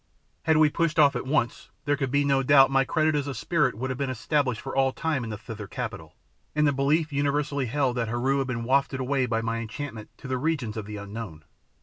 Had we pushed off at once there can be no doubt my credit as a spirit would have been established for all time in the Thither capital, and the belief universally held that Heru had been wafted away by my enchantment to the regions of the unknown.